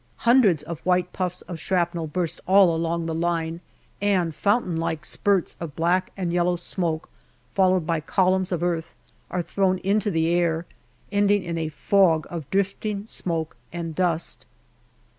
Hundreds of white puffs of shrapnel burst all along the line, and fountain like spurts of black and yellow smoke, followed by columns of earth, are thrown into the air, ending in a fog of drifting smoke and dust.